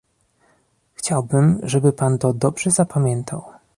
Chciałbym, żeby pan to dobrze zapamiętał